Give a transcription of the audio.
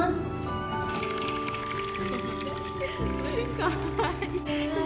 かわいい。